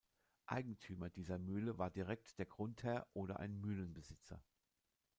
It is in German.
Eigentümer dieser Mühle war direkt der Grundherr oder ein Mühlenbesitzer.